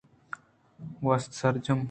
گْوست سرجم ۔